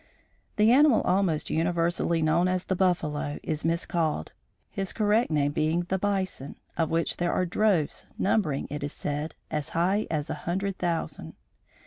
The animal almost universally known as the "buffalo" is miscalled, his correct name being the "bison," of which there are droves numbering, it is said, as high as a hundred thousand.